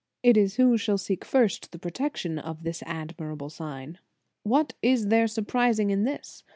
It is who shall seek first the protection of this admirable sign. "What is there surprising in this?